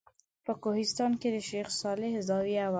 په کوهستان کې د شیخ صالح زاویه وه.